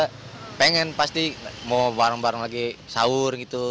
pada saat itu pengen pasti mau bareng bareng lagi sahur gitu